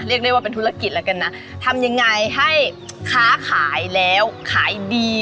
เรียกได้ว่าเป็นธุรกิจแล้วกันนะทำยังไงให้ค้าขายแล้วขายดี